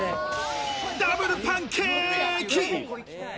ダブルパンケーキ！